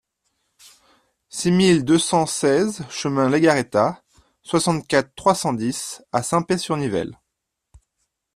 six mille deux cent seize chemin Legarreta, soixante-quatre, trois cent dix à Saint-Pée-sur-Nivelle